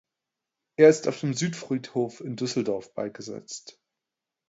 Er ist auf dem Südfriedhof in Düsseldorf beigesetzt.